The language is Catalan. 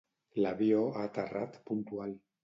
L'avió ha aterrat puntual.